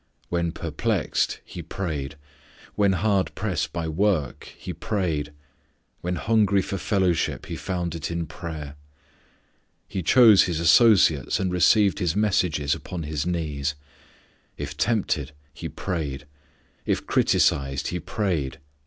When perplexed He prayed. When hard pressed by work He prayed. When hungry for fellowship He found it in prayer. He chose His associates and received His messages upon His knees. If tempted, He prayed. If criticised, He prayed.